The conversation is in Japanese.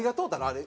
あれ。